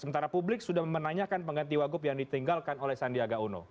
sementara publik sudah menanyakan pengganti wagup yang ditinggalkan oleh sandiaga uno